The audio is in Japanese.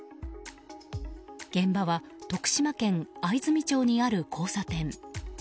現場は、徳島県藍住町にある交差点。